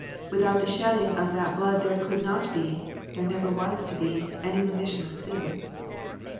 Without the shedding of that blood there could not be there never was to be^ any remission of sin.